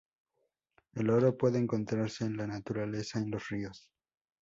El oro puede encontrarse en la naturaleza en los ríos.